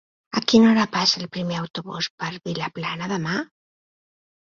A quina hora passa el primer autobús per Vilaplana demà?